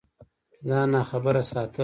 ځان ناخبره ساتل